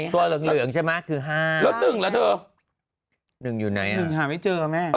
ตัวเหลืองใช่ไหมคือ๕แล้ว๑ล่ะเธอ๑อยู่ไหน๑หาไม่เจอแม่